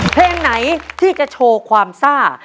เพลงไหนที่จะโชว์ความซ่า